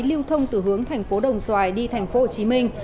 lưu thông từ hướng tp đồng xoài đi tp hồ chí minh